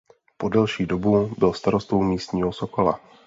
Po delší dobu byl starostou místního Sokola.